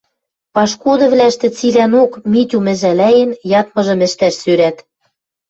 Пашкудывлӓштӹ цилӓнок, Митюм ӹжӓлӓен, ядмыжым ӹштӓш сӧрӓт.